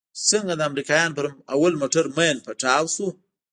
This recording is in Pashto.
چې څنگه د امريکانو پر اول موټر ماين پټاو سو.